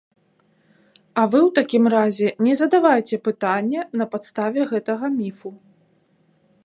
А вы ў такім разе не задавайце пытанне на падставе гэтага міфу.